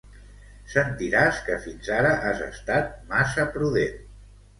Sentiràs que fins ara has estat massa prudent